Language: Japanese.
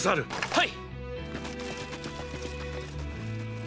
はい！